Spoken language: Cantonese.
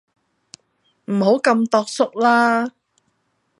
唔好咁庹縮啦